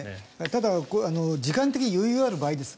ただ、時間的に余裕がある場合です。